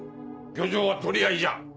漁場は取り合いじゃ。